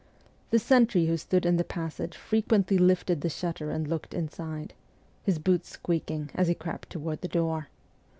The sentry who stood in the passage frequently lifted the shutter and looked inside his boots squeaking as he crept toward the door.